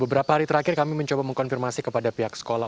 beberapa hari terakhir kami mencoba mengkonfirmasi kepada pihak sekolah